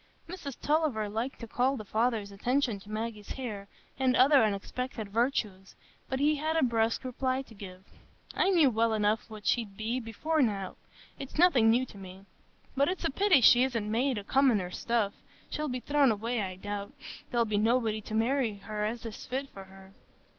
Mrs Tulliver liked to call the father's attention to Maggie's hair and other unexpected virtues, but he had a brusque reply to give. "I knew well enough what she'd be, before now,—it's nothing new to me. But it's a pity she isn't made o' commoner stuff; she'll be thrown away, I doubt,—there'll be nobody to marry her as is fit for her."